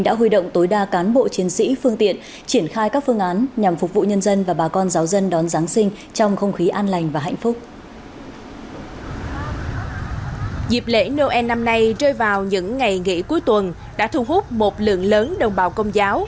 dịp lễ noel năm nay rơi vào những ngày nghỉ cuối tuần đã thu hút một lượng lớn đồng bào công giáo